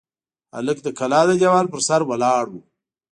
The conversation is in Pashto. هلک د کلا د دېوال پر سر ولاړ و.